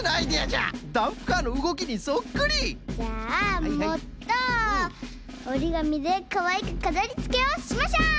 じゃあもっとおりがみでかわいくかざりつけをしましょう！